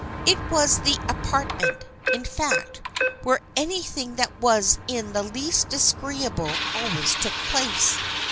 It was the apart ment, in fact, where anything that was in the least disagreeable always took place.